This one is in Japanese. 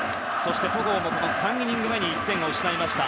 戸郷も３イニング目に１点を失いました。